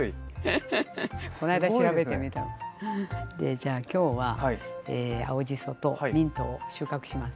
じゃあ今日は青じそとミントを収獲します。